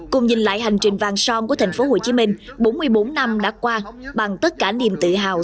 cùng nhìn lại hành trình vàng son của thành phố hồ chí minh bốn mươi bốn năm đã qua bằng tất cả niềm tự hào